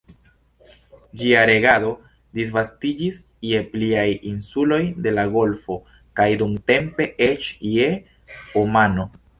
Ĝia regado disvastiĝis je pliaj insuloj de la golfo kaj dumtempe eĉ je Omano.